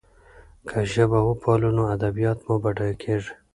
که ژبه وپالو نو ادبیات مو بډایه کېږي.